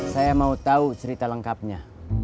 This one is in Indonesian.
saya mau tahu cerita lengkapnya